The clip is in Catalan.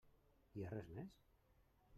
Hi ha res més?